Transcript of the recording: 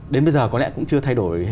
đến bây giờ có lẽ cũng chưa thay đổi